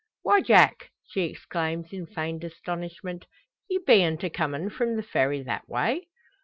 "Why, Jack!" she exclaims, in feigned astonishment, "ye beant a comin' from the Ferry that way?"